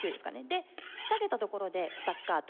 で下げたところでスタッカート。